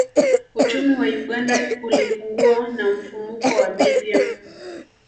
Uchumi wa Uganda ulipungua na mfumuko wa bei pia